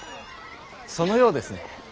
そのようですね。